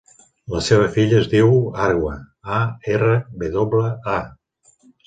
La meva filla es diu Arwa: a, erra, ve doble, a.